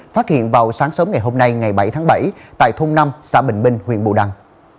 phát hiện vào sáng sớm ngày hôm nay ngày bảy tháng bảy tại thôn năm xã bình minh huyện bù đăng